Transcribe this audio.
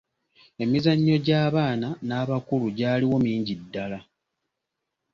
Emizanyo gy'abaana n'abakulu gyaliwo mingi ddala.